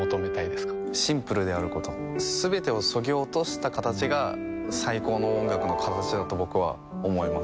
シンプルであることすべてを削ぎ落としたかたちが最高の音楽のかたちだと僕は思います